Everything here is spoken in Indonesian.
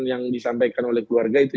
yang disampaikan oleh keluarga itu